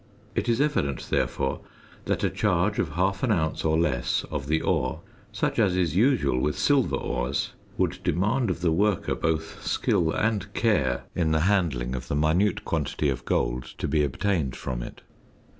It is evident, therefore, that a charge of half an ounce or less of the ore, such as is usual with silver ores, would demand of the worker both skill and care in the handling of the minute quantity of gold to be obtained from it.